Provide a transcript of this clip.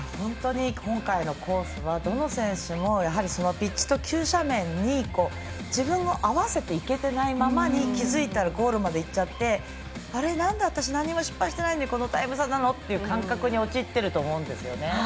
今回のコースはどの選手もそのピッチと急斜面に自分を合わせていけてないままに気付いたらゴールまでいっちゃって私、失敗してないのでなんでこのタイム差なのっていう感覚に陥ってると思うんですよね。